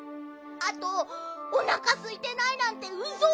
あとおなかすいてないなんてウソ。